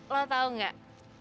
lo tahu nggak